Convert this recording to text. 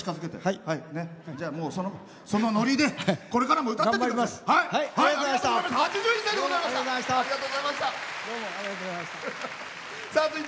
そのノリで、これからも歌ってってください。